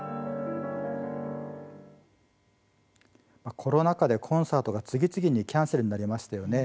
コロナ禍でコンサートが次々にキャンセルになりましたよね。